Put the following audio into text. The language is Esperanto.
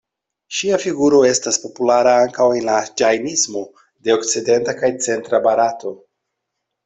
Ŝia figuro estas populara ankaŭ en la Ĝajnismo de okcidenta kaj centra Barato.